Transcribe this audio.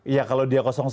ya kalau dia satu